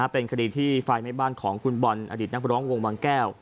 เป็นคดีที่ไฟไหม้บ้านของคุณบอลอดิตนักร้องวงบางแก้ว